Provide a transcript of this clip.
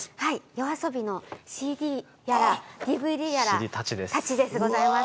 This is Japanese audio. ＹＯＡＳＯＢＩのＣＤやらＤＶＤやらたちでございます。